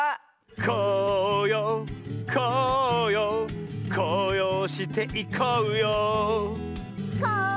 こうようこうようこうようしていこうようこう